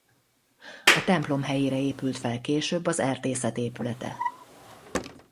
A templom helyére épült fel később az erdészet épülete.